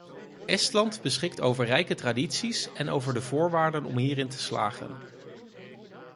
Estland beschikt over rijke tradities en over de voorwaarden om hierin te slagen.